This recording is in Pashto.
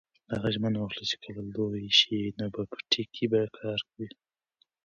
هغه ژمنه وکړه چې کله لوی شي نو په پټي کې به کار کوي.